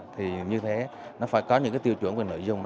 thì như thế nó phải có những cái tiêu chuẩn về nội dung